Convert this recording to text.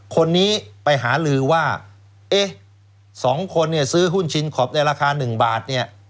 คนนี้ไปหาลือว่าสองคนซื้อหุ้นชิ้นขอบในราคา๑บาท